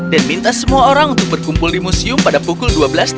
dan minta semua orang untuk berkumpul di museum pada pukul dua belas tiga puluh